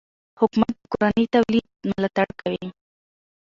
حکومت د کورني تولید ملاتړ کوي.